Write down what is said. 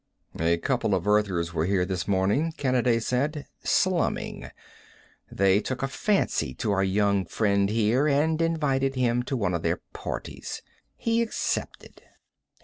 "A couple of Earthers were here this morning," Kanaday said. "Slumming. They took a fancy to our young friend here and invited him to one of their parties. He accepted."